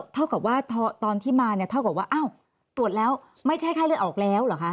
เท่ากับว่าตอนที่มาเนี่ยเท่ากับว่าอ้าวตรวจแล้วไม่ใช่ไข้เลือดออกแล้วเหรอคะ